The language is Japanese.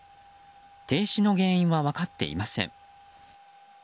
停止の原因は分かっていません。